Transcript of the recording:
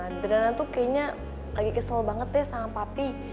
adrena tuh kayaknya lagi kesel banget deh sama papi